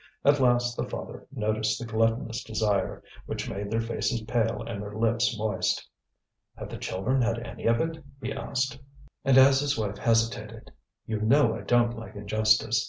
At last the father noticed the gluttonous desire which made their faces pale and their lips moist. "Have the children had any of it?" he asked. And as his wife hesitated: "You know I don't like injustice.